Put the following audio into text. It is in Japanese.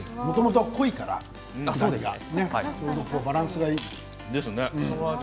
もともと濃いからあさりが、バランスがいい。